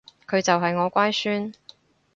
佢就係我乖孫